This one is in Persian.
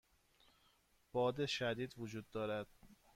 باد شدید وجود دارد.